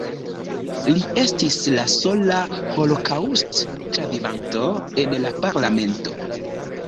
Li estis la sola holokaŭst-travivanto en la parlamento.